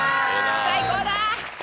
・最高だ！